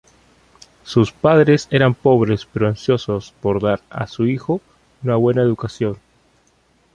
Sus padres eran pobres pero ansiosos por dar a su hijo una buena educación.